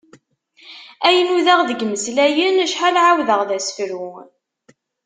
Ay nudaɣ deg imeslayen, acḥal ɛawdeɣ d asefru!